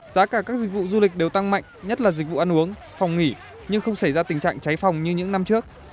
giá cả các dịch vụ du lịch đều tăng mạnh nhất là dịch vụ ăn uống phòng nghỉ nhưng không xảy ra tình trạng cháy phòng như những năm trước